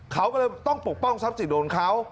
เค้าก็เลยต้องปกป้องทรัพย์สิทธิ์โดนเค้า